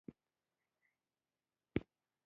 ځمکنی شکل د افغانانو ژوند اغېزمن کوي.